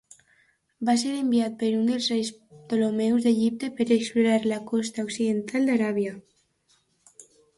Va ser enviat per un dels reis Ptolemeus d'Egipte per explorar la costa occidental d'Aràbia.